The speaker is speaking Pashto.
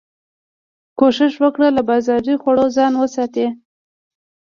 کوښښ وکړه له بازاري خوړو ځان وساتي